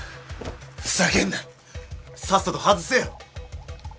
ふざけるなさっさと外せよ！